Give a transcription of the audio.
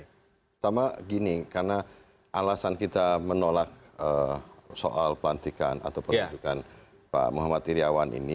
pertama gini karena alasan kita menolak soal pelantikan atau penunjukan pak muhammad iryawan ini